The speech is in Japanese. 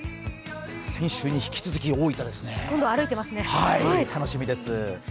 先週に引き続き大分ですね、楽しみです。